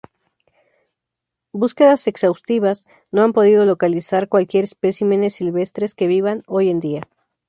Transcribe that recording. Búsquedas exhaustivas no han podido localizar cualquier especímenes silvestres que vivan hoy en día.